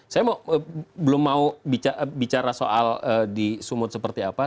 saya belum mau bicara soal di sumut seperti apa